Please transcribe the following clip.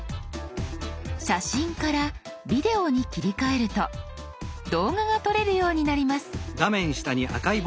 「写真」から「ビデオ」に切り替えると動画が撮れるようになります。